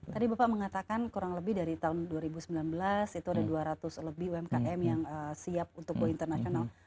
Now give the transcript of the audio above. tadi bapak mengatakan kurang lebih dari tahun dua ribu sembilan belas itu ada dua ratus lebih umkm yang siap untuk go internasional